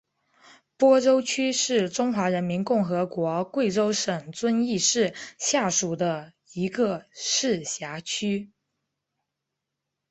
播州区是中华人民共和国贵州省遵义市下属的一个市辖区。